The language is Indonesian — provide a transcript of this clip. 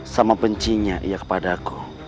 sama bencinya ia kepadaku